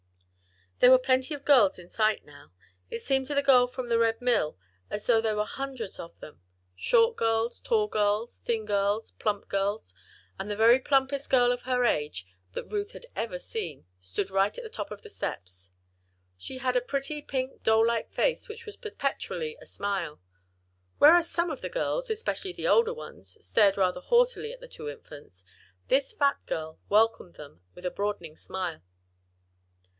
There were plenty of girls in sight now. It seemed to the girl from the Red Mill as though there were hundreds of them. Short girls, tall girls, thin girls, plump girls and the very plumpest girl of her age that Ruth had ever seen, stood right at the top of the steps. She had a pretty, pink, doll like face which was perpetually a smile. Whereas some of the girls especially the older ones stared rather haughtily at the two Infants, this fat girl welcomed them with a broadening smile.